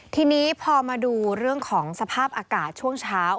ทีนี้พอมาดูเรื่องของสภาพอากาศช่วงเช้า